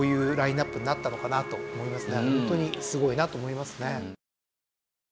ホントにすごいなと思いますね。